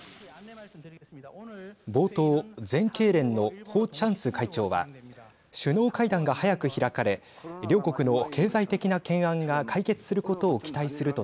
冒頭、全経連のホ・チャンス会長は首脳会談が早く開かれ両国の経済的な懸案が解決することを期待すると